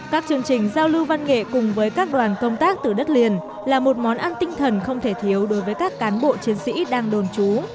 các chương trình giao lưu văn nghệ cùng với các đoàn công tác từ đất liền là một món ăn tinh thần không thể thiếu đối với các cán bộ chiến sĩ đang đồn trú